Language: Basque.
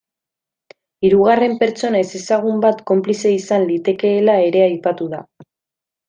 Hirugarren pertsona ezezagun bat konplize izan litekeela ere aipatu da.